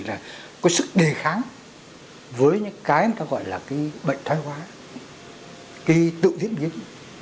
là có sức đề kháng với những cái mà ta gọi là cái bệnh thai hóa cái tự diễn biến